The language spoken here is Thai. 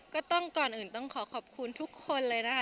ก่อนอื่นต้องขอขอบคุณทุกคนเลยนะคะ